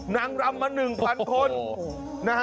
นางรำมา๑๐๐๐คน